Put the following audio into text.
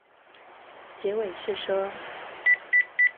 結尾是說